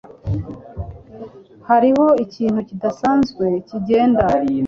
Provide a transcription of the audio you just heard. Hariho ikintu kidasanzwe kigenda.